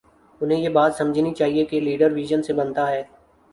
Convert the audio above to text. انہیں یہ بات سمجھنی چاہیے کہ لیڈر وژن سے بنتا ہے۔